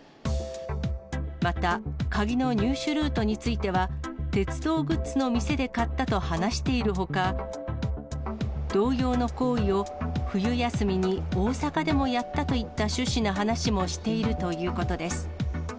また、鍵の入手ルートについては、鉄道グッズの店で買ったと話しているほか、同様の行為を冬休みに大阪でもやったといった趣旨の話もしているということです。